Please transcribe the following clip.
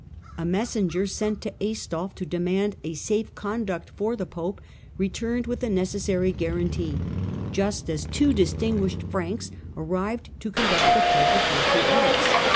A messenger sent to Aistulf to demand a ie conduct for the Pope returned with the necessary larantee just as two distinguished Franks arrived to mduct the Pope across the Alps.